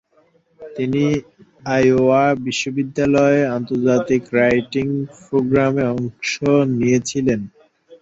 তিনি আইওয়া বিশ্ববিদ্যালয়ের আন্তর্জাতিক রাইটিং প্রোগ্রামে অংশ নিয়েছিলেন।